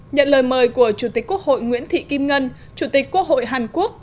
nhận lời mời của chủ tịch quốc hội nguyễn thị kim ngân chủ tịch quốc hội hàn quốc